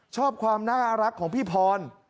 ชอบความน่ารักของพี่พร